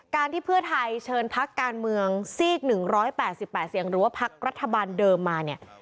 การที่เพื่อไทยเชิญภักดิ์การเมืองซีก๑๘๘สิงหรือว่าภักดิ์รัฐบันเดิมมาเนี่ย